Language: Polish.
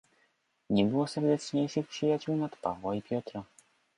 "Nie było serdeczniejszych przyjaciół nad Pawła i Piotra."